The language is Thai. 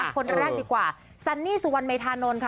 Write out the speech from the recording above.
คนแรกดีกว่าซันนี่สุวรรณเมธานนท์ค่ะ